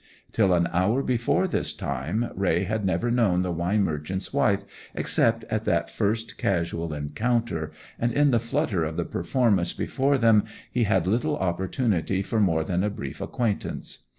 Till an hour before this time Raye had never known the wine merchant's wife, except at that first casual encounter, and in the flutter of the performance before them he had little opportunity for more than a brief acquaintance.